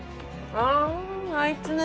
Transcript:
ああいつね。